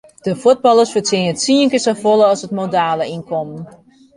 Dy fuotballers fertsjinje tsien kear safolle as it modale ynkommen.